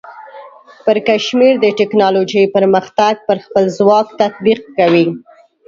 پرکمشر د ټیکنالوجۍ پرمختګ پر خپل ځواک تطبیق کوي.